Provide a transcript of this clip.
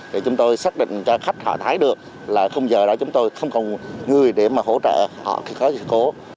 để chúng tôi xác định cho khách thả thái được là khung giờ đó chúng tôi không còn người để mà hỗ trợ họ khi có sự khổ